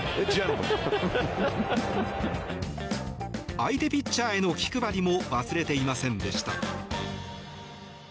相手ピッチャーへの気配りも忘れていませんでした。